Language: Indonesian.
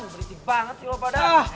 berisik banget sih lo padahal